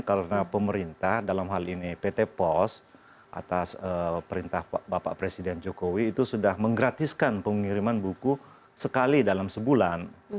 karena pemerintah dalam hal ini pt pos atas perintah bapak presiden jokowi itu sudah menggratiskan pengiriman buku sekali dalam sebulan